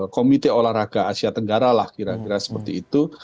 komite olahraga asia tenggara lah kira kira seperti itu